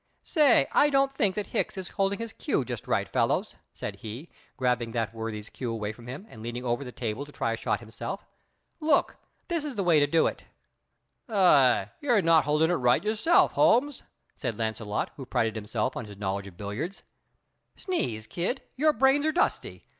"Say, I don't think that Hicks is holding his cue just right, fellows," said he, grabbing that worthy's cue away from him and leaning over the table to try a shot himself. "Look, this is the way to do it!" "Aw, you're not holding it right yourself, Holmes," said Launcelot, who prided himself on his knowledge of billiards. "Sneeze, kid, your brains are dusty.